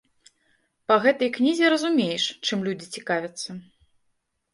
Па гэтай кнізе разумееш, чым людзі цікавяцца.